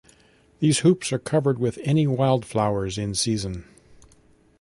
These hoops are covered with any wildflowers in season.